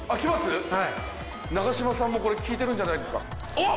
はい永島さんもこれ効いてるんじゃないですか？